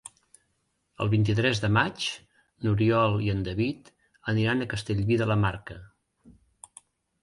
El vint-i-tres de maig n'Oriol i en David aniran a Castellví de la Marca.